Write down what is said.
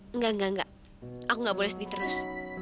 enggak enggak enggak aku nggak boleh sedih terus